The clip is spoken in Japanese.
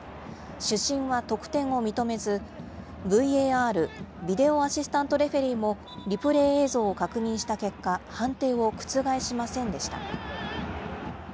主審は得点を認めず、ＶＡＲ・ビデオ・アシスタント・レフェリーも、リプレー映像を確認した結果、判定を覆しませんでした。